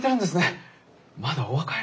まだお若いのに。